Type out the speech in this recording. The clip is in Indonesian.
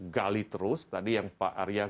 gali terus tadi yang pak arya